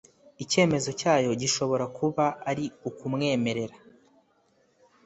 icyemezo cyayo gishobora kuba ari ukumwemerera